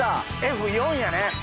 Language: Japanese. Ｆ４やね。